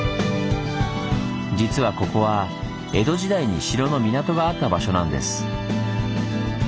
実はここは江戸時代に城の港があった場所なんです。